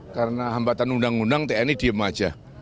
karena hambatan undang undang tni diem aja